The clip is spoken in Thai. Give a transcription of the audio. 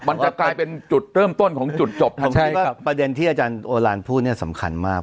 มันจะกลายเป็นจุดเริ่มต้นของจุดจบตรงที่ว่าประเด็นที่อาจารย์โอลานพูดเนี่ยสำคัญมาก